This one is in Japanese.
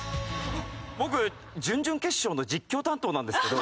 僕準々決勝の実況担当なんですけど。